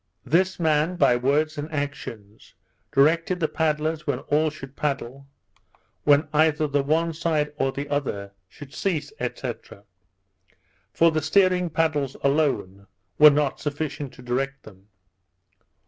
This man, by words and actions, directed the paddlers when all should paddle, when either the one side or the other should cease, &c. for the steering paddles alone were not sufficient to direct them.